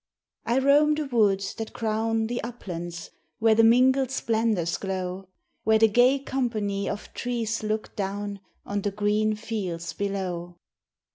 I roam the woods that crown The uplands, where the mingled splendors glow, Where the gay company of trees look down On the green fields below.